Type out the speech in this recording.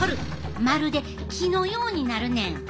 まるで木のようになるねん。